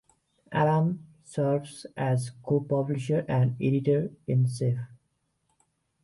Adams serves as co-publisher and editor-in-chief.